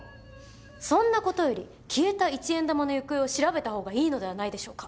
そんなことより消えた一円玉の行方を調べたほうがいいのではないでしょうか？